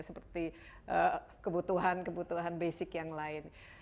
seperti kebutuhan kebutuhan basic yang lain